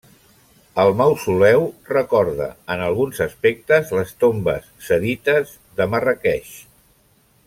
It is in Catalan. El mausoleu recorda en alguns aspectes les tombes sadites de Marràqueix.